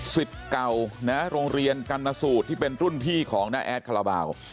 เก่านะโรงเรียนกรรณสูตรที่เป็นรุ่นพี่ของน้าแอดคาราบาล